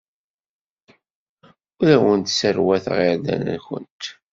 Ur awent-sserwateɣ irden-nwent.